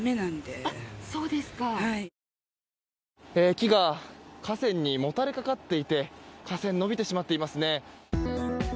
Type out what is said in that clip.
木が架線にもたれかかっていて架線伸びてしまっていますね。